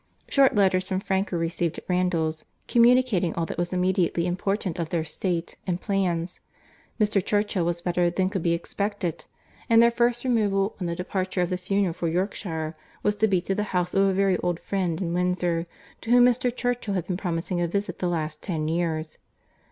Short letters from Frank were received at Randalls, communicating all that was immediately important of their state and plans. Mr. Churchill was better than could be expected; and their first removal, on the departure of the funeral for Yorkshire, was to be to the house of a very old friend in Windsor, to whom Mr. Churchill had been promising a visit the last ten years.